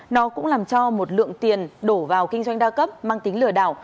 nó cũng làm cho một lượng tiền đổ vào kinh doanh đa cấp mang tính lừa đảo